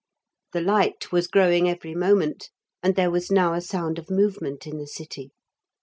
The light was growing every moment, and there was now a sound of movement in the city.